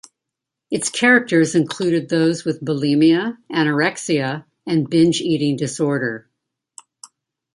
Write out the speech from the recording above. Its characters included those with bulimia, anorexia, and binge eating disorder.